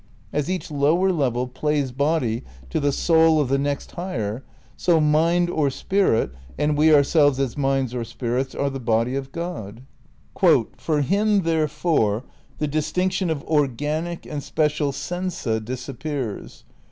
As each lower level plays body to the "soul" of the next higher, so mind or spirit, and we ourselves as minds or spirits are the body of God. "For him, therefore, ... the distinction of organic and special sensa disappears.